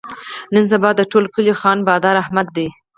نن سبا د ټول کلي خان بادار احمد دی.